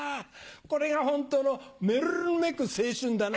これがホントのめるるめく青春だな。